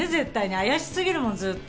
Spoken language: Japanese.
怪しすぎるもん、ずっと。